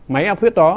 máy áp huyết đó